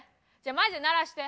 マジで鳴らして。